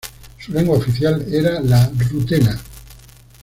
Su lengua oficial era la rutena.